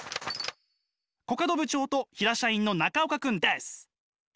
コカド部長と平社員の中岡くんです！